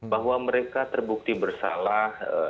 kalau mereka terbukti bersalah